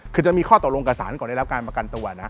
คือจะมีข้อต่อตรงกับศาลก่อนได้แล้วการประกันตัวนะ